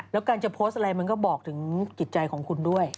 แล้วการจะโพสต์อะไรมันก็บอกถึงจิตใจของคุณด้วย